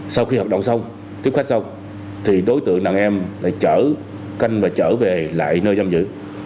sau khi hợp đồng xong tiếp khách xong thì đối tượng nạn em lại chở canh và chở về lại nơi giam giữ